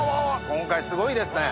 今回すごいですね。